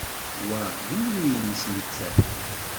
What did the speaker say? Wa d imru-nnes nettat.